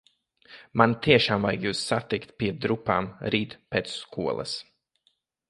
Man tiešām vajag jūs satikt pie drupām rīt pēc skolas.